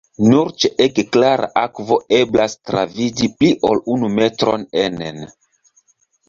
Nur ĉe ege klara akvo eblas travidi pli ol unu metron enen.